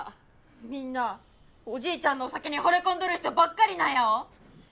みんなおじいちゃんのお酒にほれ込んどる人ばっかりなんやお。